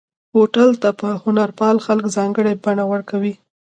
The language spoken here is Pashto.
بوتل ته هنرپال خلک ځانګړې بڼه ورکوي.